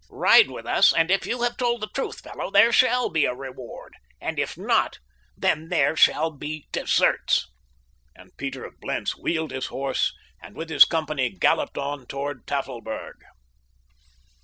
"Ride with us and if you have told the truth, fellow, there shall be a reward and if not—then there shall be deserts," and Peter of Blentz wheeled his horse and with his company galloped on toward Tafelberg.